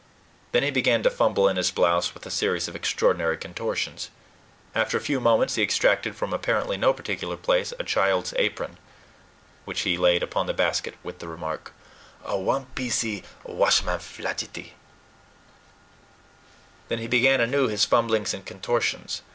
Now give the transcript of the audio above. Then he began to fumble in his blouse with a series of extraordinary contortions. After a few moments, he extracted from apparently no particular place a child's apron, which he laid upon the basket with the remark: "One piecee washman flagittee." Then he began anew his fumblings and contortions.